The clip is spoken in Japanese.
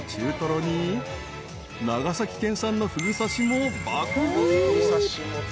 ［長崎県産のふぐ刺しも爆食い］